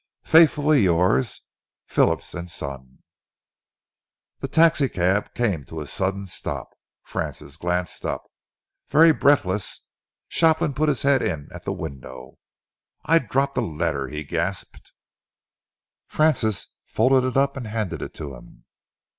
Faithfully yours, PHILLIPS & SON. The taxicab came to a sudden stop. Francis glanced up. Very breathless, Shopland put his head in at the window. "I dropped a letter," he gasped. Francis folded it up and handed it to him.